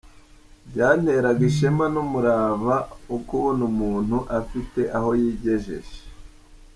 Byanteraga ishema n’umurava wo kubona umuntu afite aho yigejeje.